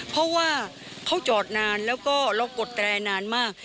เพราะว่าเขาจอดนานแล้วก็เรากดแตรนานมาก